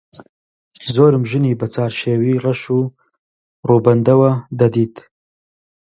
زۆرم ژنی بە چارشێوی ڕەش و ڕووبەندەوە دەدیت